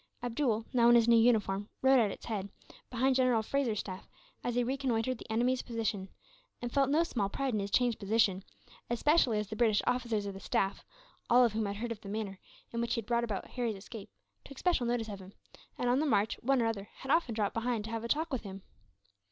Abdool now in his new uniform rode at its head, behind General Fraser's staff, as he reconnoitred the enemy's position; and felt no small pride in his changed position, especially as the British officers of the staff, all of whom had heard of the manner in which he had brought about Harry's escape, took special notice of him; and on the march one or other had often dropped behind to have a talk with him.